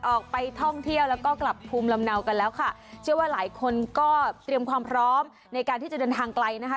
ออกไปท่องเที่ยวแล้วก็กลับภูมิลำเนากันแล้วค่ะเชื่อว่าหลายคนก็เตรียมความพร้อมในการที่จะเดินทางไกลนะคะ